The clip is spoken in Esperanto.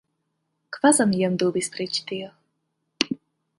Kvazaŭ mi iam dubis pri ĉi tio!